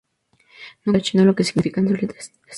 Nunca le pregunto a Chino lo que significan sus letras.